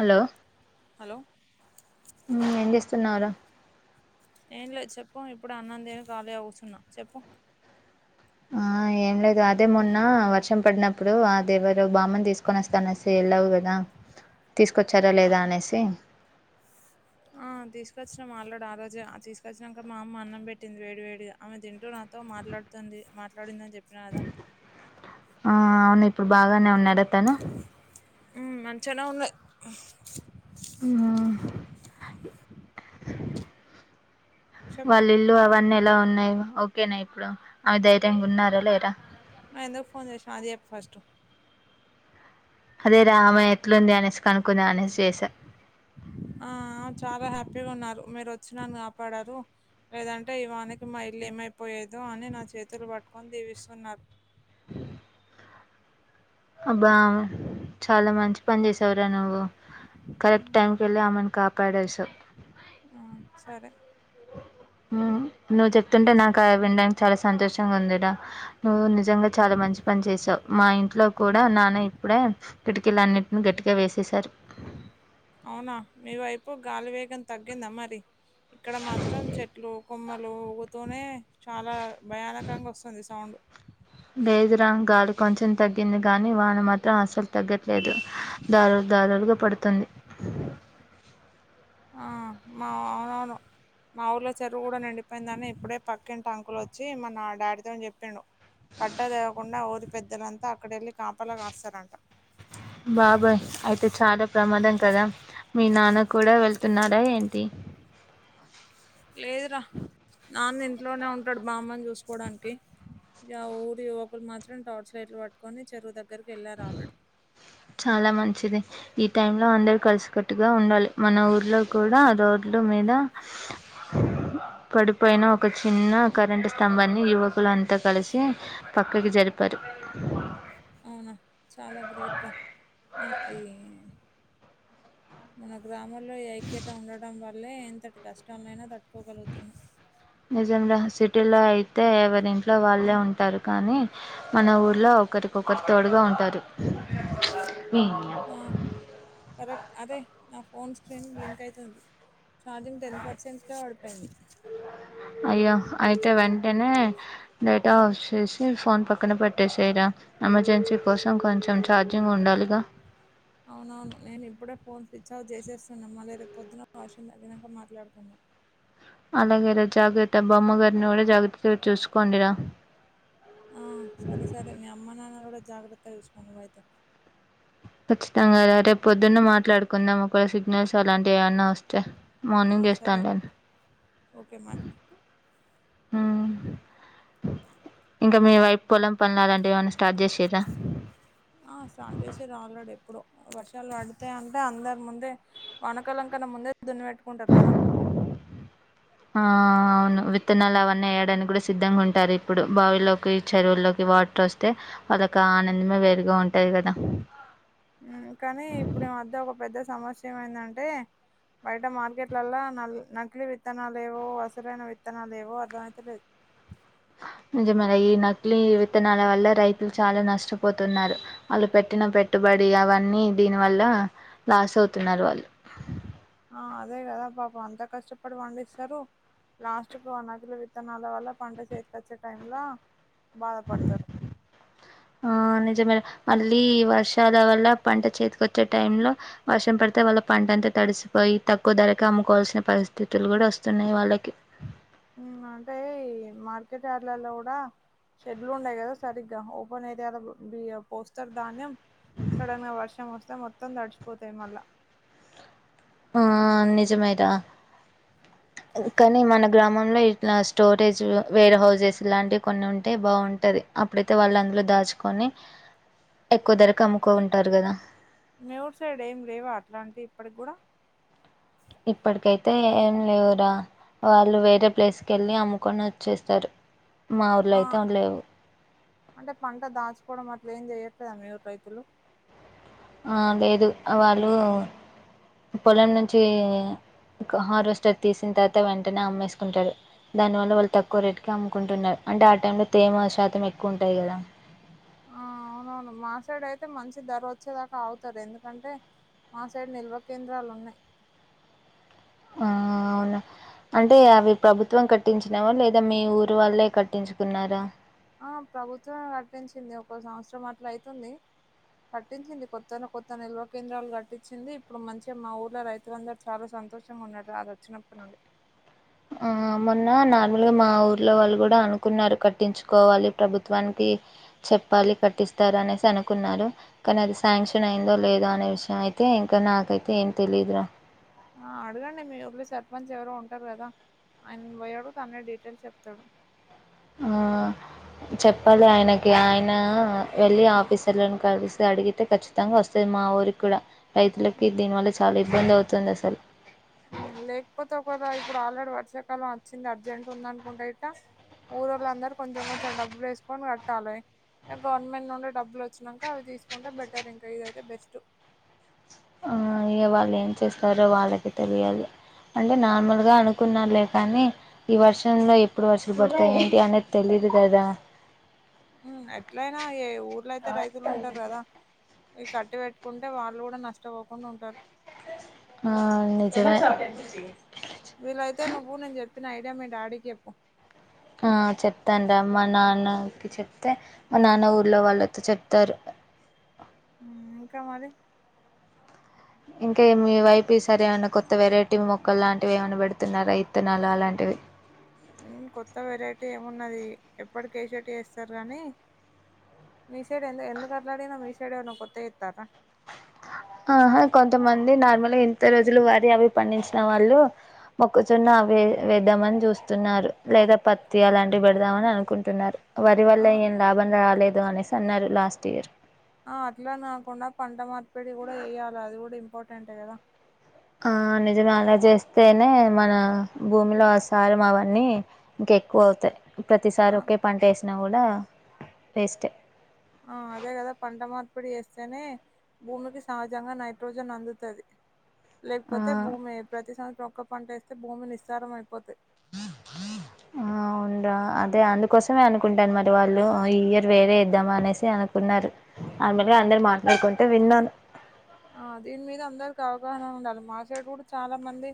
Hello hello మ్ ఏం చేస్తున్నావ్ రా? ఏం లేదు చెప్పు ఇప్పుడే అన్నం తిని ఖాళీగా కూర్చున్న చెప్పు. ఆ ఏం లేదు అదే మొన్న వర్షం పడినప్పుడు అదేవరో బామ్మని తీసుకొని వస్తా అనేసి వెళ్ళావు కదా! తీసుకొచ్చారా లేదా అనేసి ఆ తీసుకచ్చినం అల్రడి ఆ రోజే. ఆ తీసుకొచ్చినంక మా అమ్మ అన్నం పెట్టింది వేడి వేడిగా ఆమె తింటూ నాతో మా మాట్లాడుతుంది. మాట్లాడిందని చెప్పిన కదా, ఆ అవును. ఇప్పుడు బాగానే ఉన్నాడ తను? మ్ మంచిగనే ఉన్నయి. ఆ చెప్పు వాళ్ళిళ్ళు అవన్నీ ఎలా ఉన్నాయిగ? ఓకేనా ఇప్పుడు ఆమె ధైర్యంగా ఉన్నారా లేరా? నువ్ ఎందుకు ఫోన్ చేసినవ్ అది చెప్పు ఫస్ట్. అదేరా ఆమె ఎట్లుంది అనేసి కను ఆ చాలా హ్యా పిగున్నారు. మీరు వచ్చి నన్ని కాపాడారు. లేదంటే, ఈ వానకి మా ఇల్లు ఏమైపోయేదో అని నా చేతులు పట్టుకొని దీవిస్తున్నారు. హ అబ్బా చాలా మంచి పని చేసావ్ రా నువ్వు కరెక్ట్ టైంకెళ్ళి ఆమను కాపాడేసావ్ ఆ సరే ఆ నువ్వు చొప్తుంటే నాకా విండానికి చాలా సంతోషంగా ఉందిరా నువ్వు నిజ నిజంగా చాలా మంచి పని చేసావ్ మా ఇంట్లో కూడా నాన్న ఇప్పుడే కిటికీలు అన్నిట్నీ గట్టిగా వేసేసారు అవునా మీ వైపు గాలి వేగం తగ్గిందా మరి ఇక్కడ మాత్రం చెట్లు కొమ్మలు ఊగుతూనే చాలా భయానకంగా వస్తుంది సౌండు లేదురా గాలి కొంచెం తగ్గింది కాని వాన మాత్రం అస్సలు తగ్గట్లేదు దారలు దారలుగా పడుతుంది ఆ మా ఆదారు మా ఊర్లో చెరువు గుడా నిండిపోయిందని ఇప్పుడే పక్కింటి అంకులొచ్చి మన డాడీతోని జెప్పిండు కట్ట దెగకుండా ఊరి పెద్దలంతా అక్కడెళ్ళి కాపలా కాస్తారంట బాబోయ్ అయితే చాలా ప్రమాదం కదా మీ నాన్న కూడా వెళ్తున్నారా ఏంటి లేదురా నాన్న ఇంట్లోనే ఉంటాడు బామ్మని జూసుకోవడానికి ఇగ ఊరి యువకులు మాత్రం టార్చ్ లైట్లు పట్టుకొని చెరువు దగ్గరకి చాలా మంచిదె ఈ టైమ్ లో అందరు కలిసికట్టుగా ఉండాలి మన ఊర్లో కూడా రోడ్లు మీద పడిపోయిన ఒక చిన్న కరెంట్ స్తంభాన్ని యువ కులంతా కలిసి పక్కకి జరిపారు అవునా చాలా గ్రేట్ రా మన ఈ మన గ్రామాల్లో ఈ ఐక్యత ఉండడం వల్లే ఎంతటి కష్టాల్నైనా తట్టుకోగలుగుతున్నాం నిజంగా సిటీ లో అయితే ఎవరింట్లో వాళ్ళే ఉంటారు కానీ మన ఊర్లో ఒకరికొకరు తోడుగా ఉంటారు ఆ కరెక్ట్ అదే నా ఫోన్ స్క్రీన్ బ్లింక్ అయింతుంది ఛార్జింగ్ టెన్ పర్సెంట్ కే పడిపోయింది స అయ్యో అయితే వెంటనే డేటా ఆఫ్ చేసి ఫోన్ పక్కన పెట్టెసెయ్ రా ఎమర్జెన్సీ కోసం కొంచెం ఛార్జింగ్ ఉండాలిగా అవునవును నేను ఇప్పుడే ఫోన్ స్విచ్ ఆఫ్ జేసేస్తున్నా మళ్ళ రేపొద్దున వర్షం తగ్గినంక మాట్లాడుకుందాం అలాగే రా జాగ్రత్త బొమ్మగారిని గూడా జాగ్రత్తగా చూసుకోండిరా ఆ సరే సరే మీ అమ్మ నాన్నలను గూడా జాగ్రత్తగా జూసుకో నువ్వు అయితే ఖచ్చితంగా రా రేపు పొద్దున్న మాట్లాడుకుందాం ఒక వేళ సిగ్నల్స్ అలాంటివి ఏవన్నా వస్తే ఆ, మార్నింగ్ జేస్తా సరే నేన్ ఓకే మరి అ ఇంక మీ వైపు పొలం పండ్లు అలాంటివి ఏమన్నా స్టార్ట్ జేసిర్రా ఆ స్టార్ట్ చేసిర్రు ఆల్రెడీ ఎప్పుడో వర్షాలు వడితే అంటే అందరు ముందే వానకాలంకన్న ముందే దున్ను పెట్టుకుంటారు కదా ఆ అవును విత్తనాలు అవన్నీ ఏయడానికి కూడా సిద్ధంగా ఉంటారు ఇప్పుడు బావిల్లోకి చెరువుల్లోకి వార్టొస్తే అదొక ఆనందమే వేరుగా ఉంటాది కదా ఉమ్ కానీ ఇప్పుడు ఈ మధ్య ఒక పెద్ద సమస్య ఏమైందంటే బయట మార్కెట్లలో నల్ నకిలీ విత్తనాేవో వసలైన విత్తనాలువో అర్థ అయిత లేదు నిజమ ఈ నకిలీ విత్తనాల వల్ల రైతులు చాలా నష్టపోతున్నారు వాళ్ళు పెట్టిన పెట్టి పెట్టుబడి అవన్నీ దీని వల్ల లాస్ అవుతున్నారు వాళ్ళు ఆ అదే కదా పాపం అంతా కష్టపడి పండిస్తారు లాస్ట్కి వన్కులో విత్తనాల వల్ల పంట చేతికి వచ్చే టైం లో ఆ నిజేమే మళ్ళీ వర్షాల వల్ల పంట చేతికొచ్చే టైం లో వర్షం పడితే వాళ్ళ పంట అంతా తడిసిపో పోయి తక్కువ ధరకె అమ్ముకోవాల్సిన పరిస్థితులు కూడా వస్తున్నాయి వాళ్ళకి ఉ అంటే మార్కెట్ యార్డ్లలో కూడా షెడ్యూల్ ఉండయి కదా సరిగా ఓపన్ ఏరియా బి పోస్టర్ ధాన్యం సడన్ గా వర్షం వస్తే మొత్తం తడిచిపోతాయి మళ్ళా ఆ నిజమే రా కానీ మన గ్రామంలో ఇట్లా స్టోరేజ్ వేర్ హౌజెస్ లాంటివి కొన్ని ఉంటే బాగుంటది అప్పుడైతే వాళ్ళు అందులో దాచుకొని ఎక్కువ ధరకు అమ్ముకో ఉంటారు కదా మీ ఊరు సైడు ఏం లేవా అట్లా అంటిే ఇప్పటికి కూడా ఇప్పటికైతే ఏం లేవురా వాళ్ళు వేరే ప్లేస్కి కెళ్ళి అమ్ముకొని వచ్చేస్తారు మా ఊర్లో ఆ అయితే లేవు అంటే పంట దాచుకోవడం అట్ల ఏం చెయట్లేదా మీ ఊరు రైతులు ఆ లేదు వాళ్ళు పొలం నుంచి క హార్వెస్టర్ తీసిన తర్వాత వెంటనే అమ్మేసుకుంటారు దాని వల్ల వాళ్ళు తక్కువ రేటు కి అమ్ముకుంటున్నారు అంటే ఆ టైంలో తేమ శాతం ఎక్కువ ఉంటాయి కదా ఆ అవునవును మా సైడ్ అయితే మంచి ధర వచ్చేదాకా అగుతారు ఎందుకంటే మా సైడ్ నిల్వ కేంద్రాలు ఉన్నాయి అ అవునా అంటే అవి ప్రభుత్వం కట్టించినావా లేదా మీ ఊరు వాళ్ళే కట్టించుకున్నారా ఆ ప్రభుత్వం కటించింది ఒక సంవత్సరం అట్లా అయితుంది కట్టించింది కొత్త కొత్త నిల్వ కేంద్రాలు కట్టించింది ఇప్పుడు మంచిగా మా ఊర్లో రైతులందరు చాలా చానా సంతోషం ఉన్నగదు అది వచ్చినప్పు నుండి ఆ మొన్న నార్మల్గా మా ఊర్లో వాళ్ళు కూడా అనుకున్నారు కట్టించుకోవాలి ప్రభుత్వానికి ఈ చెప్పాలి కట్టిస్తారు అనేసి అనుకున్నారు కానీ అది శాంక్షన్ అయిందో లేదో అనే విషయ్ అయి తే ఇంక నాకైతే ఎం తెలీదురా ఆ అడగండి మీ ఊర్లో సర్పంచ్ ఎవరో ఉంటారు కదా ఆయన పోయి అడుగుతే అన్ని డీటెయిల్స్ చెప్తాడు ఆ చెప్పాలి ఆయనకి ఆయన వెళ్ళి ఆఫీసర్లను కలిసి అడిగితే ఖచ్చితంగా వస్తంది మా ఊరి కూడా రైతులకి దీని వల్ల చాలా ఇబ్బంది అవుతుంది అసలు ఉ లేకపోతే ఒకసారీ ఇప్పుడు ఆల్రెడీ వర్షాకాలం వచ్చింది అర్జెంట్ ఉందని అనుకుంటే ఎట ఊరుళ్ళందరూ కొంచెం కొంచెం డబ్బులు వేసుకొని కట్టాలి ఇంక గవర్నమెంట్ నుండి డబ్బులు వచ్చినాక అవి తీసుకుంటే బెటర్ ఇంకా ఇదైతే బెస్ట్ అయ్యో వాళ్ళు ఏం చేస్తారో వాళ్ళకే తెలియాలి అంటే నార్మల్గా అనుకున్న లే కానీ ఈ వర్షన్ లో ఎప్పుడు వర్షలు పడతాయి ఏంటి అనేది తెలియదు యదు కదా మ్ ఎట్లయినా ఏ ఊర్లో అయితే రైతులు ఉంటారు కదా ఈ కట్టి పెట్ ఉంటే వాళ్ళు కూడా నష్టపోకుండా ఉంటారు ఆ నిజమే వీళ్లైతే నువ్వు నేను చెప్పిన ఐడియా మీ డాడీకి చెప్పు ఆ చెప్తాన్రా మ నాన్నకి చెప్తే మా నాన్న ఊర్లో వాళ్ళతో చెప్తారు ఇంక మరి ఇంకా మీ వైపు ఈ సారి ఏమైనా కొత్త వెరైటీ మొక్కలు లాంటివి ఏమైనా పెడుతున్నారా ఇత్తనాలు అలాంటివి కొత్త వెరైటీ ఏమున్నది ఎప్పటికేసేటియే ఏస్తారు కానీ మీ సైడ్ ఎందు ఎందుకట్ల అడిగినవ్ మీ సైడ్ ఏమైన కొత్తగ ఎత్తారా ఆహా కొంతమంది నార్మల్ గా ఎంత రోజులు వారి అవి పండించిన వాళ్ళు మొక్కజొన్న అవి వేద్దామని చూస్తున్నారు లేదా పత్తి అలాంటివి పెడదామని అనుకుంటున్నారు వరి ఆ, వల్ల ఏం లాభం రాలేదు అనేసి అన్నారు లాస్ట్ ఇయర్ ఆ అట్లా నాకున పంట మార్పిడి కూడా యేయ్యాల అది కూడా ఇంపార్టెంట్ కదా ఆ నిజమే అలా చేస్తేనే మన భూమిలో అ సారం అవన్నీ ఇంక ఎక్కువ అవుతాయి ఆ, ప్రతిసారి ఒకే పంట యేసినా కూడా వేస్టే ఇప్పుడు చేస్తేనే భూమికి సహజంగా నైట్రోజన్ అందుతది ఆ లేకపోతే భూమి ప్రతి సంవత్సరం ఒక్క పంట వేస్తే భూమి నిస్సారం అయిపోతయ్ ఆవు అదే అందుకోసమే అనుకుంటాను మరి వాళ్ళు ఈ ఇయర్ వేరే ఎద్దాం అనేసి అనుకున్నారు అమిరె అందరు మాట్లాడుకుంటే విన్నాను మాసైడు కూడా చాలా మంది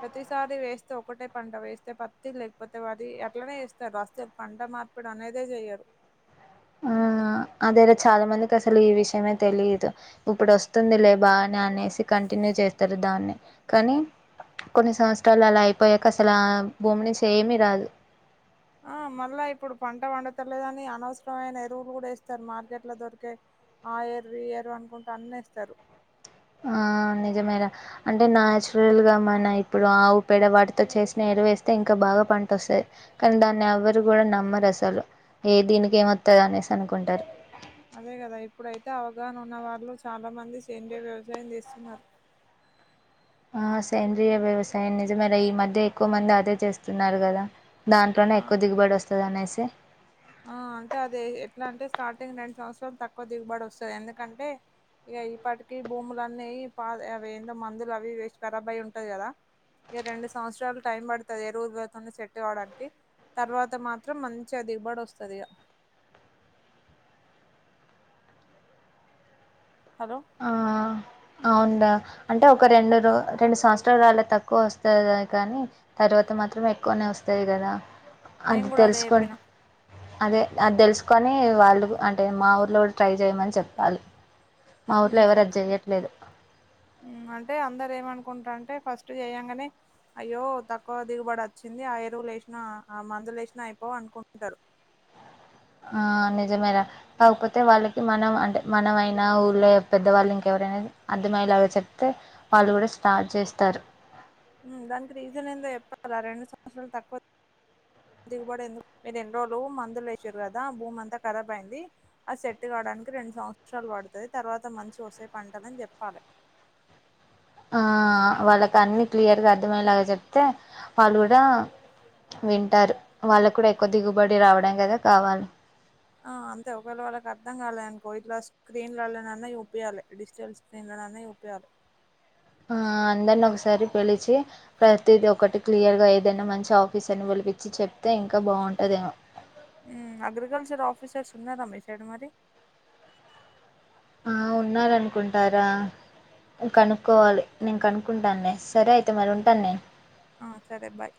ప్రతిసారి వేస్తే ఒకటే పంట వేస్తే పత్తి లేకపోతే వరి అట్లనే ఎస్తరు అస్స పంట మార్పుడి అనేదే చెయ్యరు వేరే చాలా మందికి అసలు ఈ విషయమే తెలిదు ఇప్పుడు వస్తుంది లే బానే అనేసి కంటిన్యూ చే చేస్తారు దాన్నే కానీ కొన్ని సంవత్సరాలు అలా అయిపోయాక అసలు ఆ భూమి నుంచి ఏమి రాదు ఆ మళ్ళా ఇప్పుడు పంట పండుతలేదని అనవసరమైన ఎరువులు కూడా ఎస్తరు మార్కెట్లో దొరికే ఆ ఎర్రి ఈ ఎరువు అనుకుంట అన్నీ ఏస్తారు ఆ నిజమే రా అంటే నాచురల్ గా మన ఇప్పుడు ఆవు పేడ వాటితో చేసిన వేస్తే ఇంకా బాగా పంట వస్తది కానీ దాన్ని ఎవరు కూడా నమ్మరు అసలు ఏ దీనికేం వత్త అనేసి అనుకుంటారు అదే కదా ఇప్పుడైతే అవగాహన ఉన్న వాళ్ళు చాలా మంది సేంద్రీయ వ్యవసాయం చేస్తున్నారు ఆ సేంద్ర్రియ వ్యవసాయం నిజమే రా ఈ మధ్య ఎక్కువ మంది అదే చేస్తున్నారు కదా దాంట్లోనే ఆ ఎక్కువ దిగుబడి వస్తది అనేసి ఆ అంటే అది ఎట్లా అంటే స్టార్టింగ్ రెండు సంవత్సరాలు తక్కువ దిగుబడి వస్తది ఎందుకంటే ఇగ ఇప్పటికీ భూములన్నీ పా అవి ఏందో మందులు అవి ఇవి వేసి కరబై ఉంటాయి కదా ఇగ రెండు సంవత్సరాలు టైం పడుతాది ఎరువురుతుని సెట్టు కావడానికి తర్వాత మాత్రం మంచిగా దిగుబడి వస్తది ఇగ హలో ఆ అవుందా అంటే ఒక రెండు రో రెండు సంవత్సరాలుల తక్కువ వస్తది కానీ తర్వాత అ మాత్రం ఎక్కువనే వస్తది కదా నేను అది కూడా అదే చెప్పిన తెలుసుకుంటే అదే అది తెలుసుకొని వాళ్ళు అంటే మా ఊర్లో కూడా ట్రై చేయమని చెప్పాలి మా ఊ ఊర్లో ఎవరు అది చెప్పు. చెయ్యట్లేదు ఊ అంటే అందరు ఏమను కుంటార్ అంటే ఫస్ట్ చేయంగనే. అయ్యో తక్కువ దిగుబడి వచ్చింది. ఆ ఎరువులు ఏశినా ఆ మంత్ వదిలేశినా అయిపోవు అనుకుంటారు. ఆ నిజమే రా. కాకపోతే వాళ్ళకి మనం అంటె మనం అయినా ఊర్లో పెద్దవాళ్ళు ఇంకెవర్ అనేది అర్థమైయ్యేలాగా చెప్తే వాళ్ళు గూడా స్టార్ట్ చేస్తారు. ఊ దానికి రీజన్ ఏందో చెప్పాల రెండు సంవత్సరాలు తక్కువ దిగుబడి ఎందుక్. మీర్ ఇన్ రోజులూ మందుల్ ఏశిన్రు కదా భూమి అంతా ఖరాబ్ అయిందీ. అది సెట్ కావడానికి రెం రెండు సంవత్సరాలు పడుతది, తర్వాత మంచిగ వస్తాయ్ పంటలని చెప్పాలె. ఆ వాళ్ళకి అన్ని క్లియర్గా అర్థమయ్యేలాగా చెప్తే, వాళ్ళు గూడా వింటారు. వాళ్ళక్ కూడా ఎక్కువ దిగుబడి రావడం గదా కావాలి. ఆ అంతే ఒకవేళ వాళ్ళకి అర్థం కాలేదు అనుకో ఇట్లా స్క్రీన్ లల్లనన్నా చూపియ్యాలె డిజిటల్ స్క్రీన్ల నన్ అన్నీ చూపియ్యాలి ఆ అందరిని ఒకసారి పిలిచీ ప్రతిదీ ఒకటి క్లియర్ గా ఏదైనా మంచి ఆఫీసర్ నీ పిలి పిచ్చి చెప్తే ఇంకా బాగుంటదేమో. ఊ అగ్రికల్చర్ ఆఫీసర్స్ ఉన్నారా మీ సైడ్ మరి. ఆ ఉన్నారనుకుంటారా. కనుక్కోవాలి. నేను కనుక్కుంటానులే సరే అయితే మరి ఉంటాను నేన్. ఆ సరే బాయ్